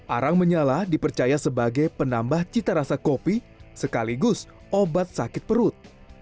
arang menyala dipercaya sebagai penambah cita rasa kopi sekaligus obat sakit perut